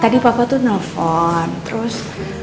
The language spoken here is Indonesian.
tadi papa tuh nelfon terus